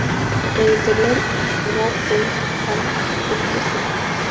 La Editorial_Mo.Pa.Sa.